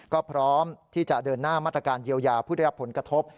ก็พร้อมที่จะเดินหน้ามาตรการเยียวยาผู้ได้รับผลกระทบ